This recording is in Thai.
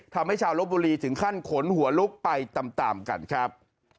ทำให้ชาวลบบุรีถึงขั้นขนหัวลุกไปตามกันครับ